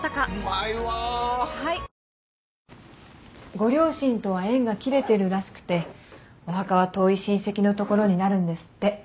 ご両親とは縁が切れてるらしくてお墓は遠い親戚の所になるんですって。